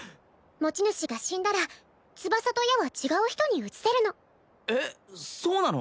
持ち主が死んだら翼と矢は違う人に移せるのえっそうなの？